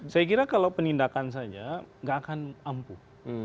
saya kira kalau penindakan saja nggak akan ampuh